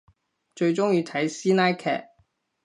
最中意睇師奶劇